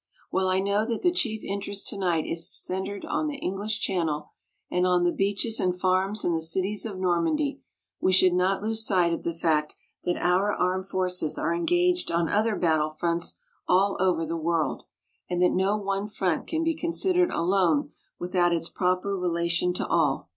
While I know that the chief interest tonight is centered on the English Channel and on the beaches and farms and the cities of Normandy, we should not lose sight of the fact that our armed forces are engaged on other battlefronts all over the world, and that no one front can be considered alone without its proper relation to all.